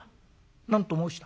「何と申した？